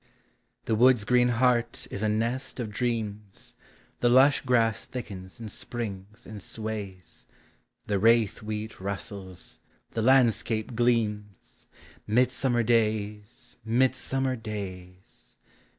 The wood's green heart is a nest of dreams. The lush grass thickens and springs and sways The rathe wheat rustles, the landscape gleams — Midsummer days! midsummer days!